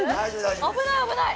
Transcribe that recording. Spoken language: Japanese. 危ない危ない。